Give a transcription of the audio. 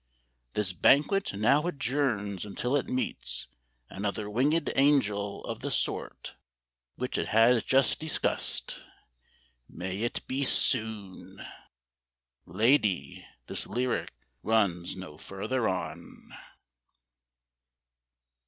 This banquet now adjourns until it meets Another wingéd angel of the sort Which it has just discussed—may it be soon!" Lady, this lyric runs no further on.